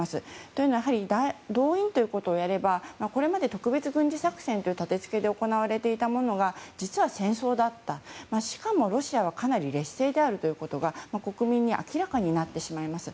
というのは、動員をすればこれまで特別軍事作戦という立て付けで行われていたものが実は戦争だった、しかもロシアはかなり劣勢であるということが国民に明らかになってしまいます。